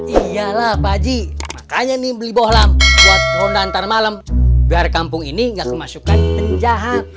iyalah pak ji makanya nih beli bohlam buat honda antara malam biar kampung ini nggak kemasukan penjahat